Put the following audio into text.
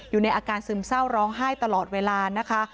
อยู่ในอาการซึมเศร้าร้องไห้ตลอดเวลานะคะ